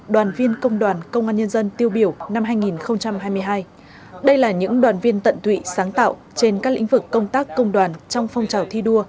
đoàn viên công đoàn công an nhân dân tiêu biểu năm hai nghìn hai mươi hai đây là những đoàn viên tận tụy sáng tạo trên các lĩnh vực công tác công đoàn trong phong trào thi đua